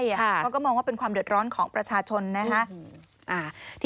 เขาก็มองว่าเป็นความเดือดร้อนของประชาชนนะฮะ